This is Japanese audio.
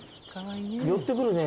寄ってくるね。